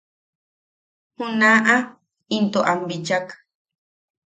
Junaʼa into am bichak: